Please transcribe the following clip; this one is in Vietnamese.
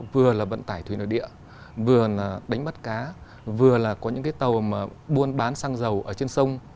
vừa là vận tải thủy nội địa vừa là đánh bắt cá vừa là có những cái tàu mà buôn bán xăng dầu ở trên sông